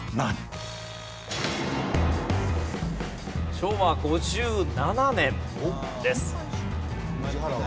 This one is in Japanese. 昭和５７年です。